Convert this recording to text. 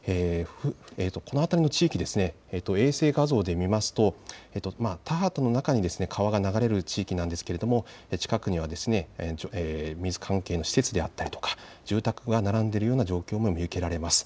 この辺りの地域、衛星画像で見ますと田畑の中に川が流れる地域なんですけれども近くには水関係の施設であったり住宅が並んでいるような状況も見受けられます。